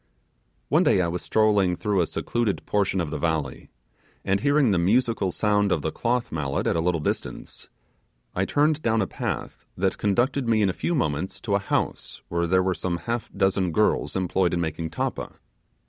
One day I was strolling through a secluded portion of the valley, and hearing the musical sound of the cloth mallet at a little distance, I turned down a path that conducted me in a few moments to a house where there were some half dozen girls employed in making tappa.